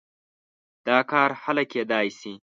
دا کار هله کېدای شي.